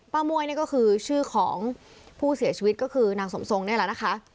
ม่วยนี่ก็คือชื่อของผู้เสียชีวิตก็คือนางสมทรงนี่แหละนะคะ